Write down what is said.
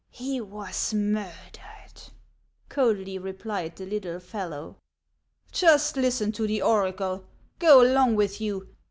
" Ho was murdered," coldly replied the little fellow. " Just listen to the oracle ! Go along with you.